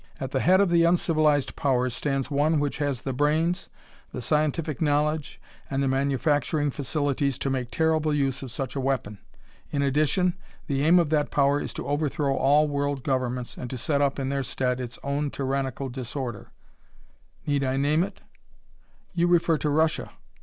At the head of the uncivilized powers stands one which has the brains, the scientific knowledge and the manufacturing facilities to make terrible use of such a weapon. In addition, the aim of that power is to overthrow all world governments and set up in their stead its own tyrannical disorder. Need I name it?" "You refer to Russia."